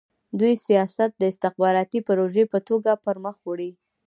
دوی سیاست د استخباراتي پروژې په توګه پرمخ وړي.